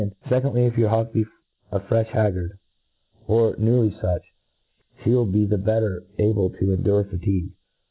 aij Secondly^ If your hawk be a frdh haggard, or nearly fuch, Ihc will be the letter able to en^ dure fatigue.